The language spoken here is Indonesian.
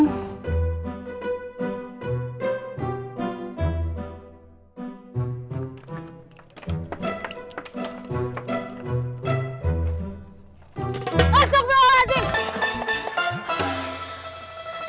masa gak ada